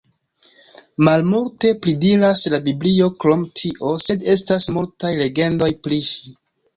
Malmulte pli diras la Biblio krom tio, sed estas multaj legendoj pri ŝi.